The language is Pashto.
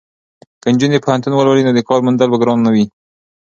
که نجونې پوهنتون ولولي نو د کار موندل به ګران نه وي.